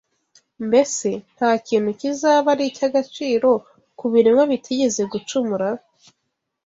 mbese nta kintu kizaba ari icy’agaciro ku biremwa bitigeze gucumura?